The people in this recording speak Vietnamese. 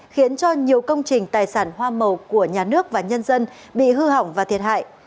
khiến cho nhiều công trình tài sản hoa màu của nhà nước và nhân dân bị hư hỏng và thiệt hại